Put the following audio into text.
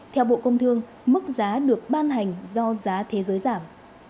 theo bộ công thương mức giá được ban hành do giá thế giới giảm